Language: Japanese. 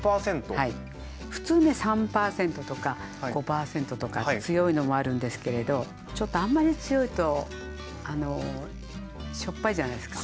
普通ね３％とか５％とか強いのもあるんですけれどちょっとあんまり強いとしょっぱいじゃないですか。